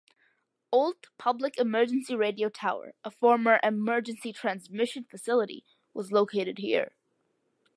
Ault Public Emergency Radio Tower, a former emergency transmission facility, was located here.